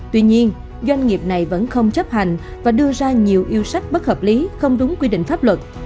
tuy nhiên doanh nghiệp này vẫn không chấp hành và đưa ra nhiều yêu sách bất hợp lý không đúng quy định pháp luật